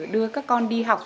đưa các con đi học